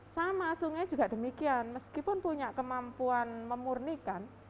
sama sungai juga demikian meskipun punya kemampuan memurnikan